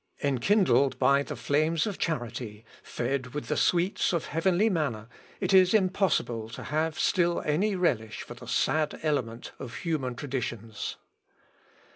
Enkindled by the flames of charity, fed with the sweets of heavenly manna, it is impossible to have still any relish for the sad element of human traditions."